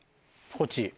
こっち？